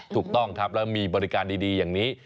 ถูกต้องครับแล้วมีบริการดีอย่างนี้